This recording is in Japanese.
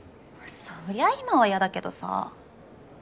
そりゃあ今は嫌だけどさ。